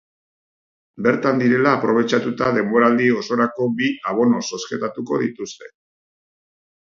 Bertan direla aprobetxatuta denboraldi osorako bi abono zozketatuko dituzte.